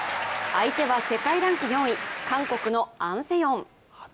相手は世界ランク４位、韓国のアン・セヨン。